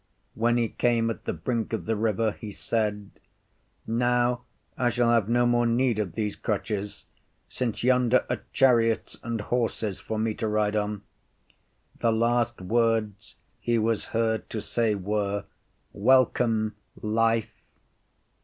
When he came at the brink of the river he said, Now I shall have no more need of these crutches, since yonder are chariots and horses for me to ride on. The last words he was heard to say were, Welcome, life.